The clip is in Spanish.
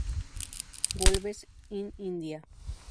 Wolves in India.